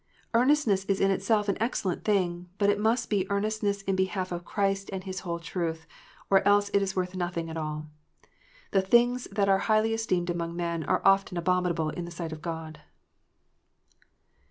" Earnestness is in itself an excellent thing ; but it must be earnestness in behalf of Christ and His whole truth, or else it is worth nothing at all. The things that are highly esteemed among men are often abominable in the sight of God.